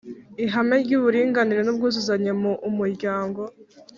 ihame ry uburinganire nubwuzuzanye muumuryango